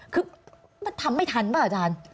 คือมันทำไม่ทันป่ะอาจารย์